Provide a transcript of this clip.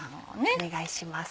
お願いします。